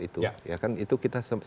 itu ya kan itu kita